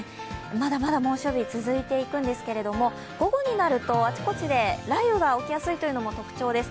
まだまだ猛暑日、続いていくんですが、午後になるとあちこちで雷雨が起きやすいというのも特徴です。